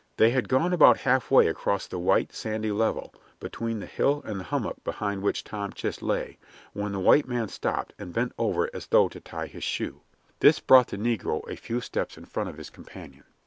They had gone about halfway across the white, sandy level between the hill and the hummock behind which Tom Chist lay, when the white man stopped and bent over as though to tie his shoe. This brought the negro a few steps in front of his companion.